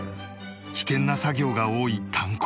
危険な作業が多い炭鉱